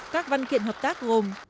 các văn kiện hợp tác gồm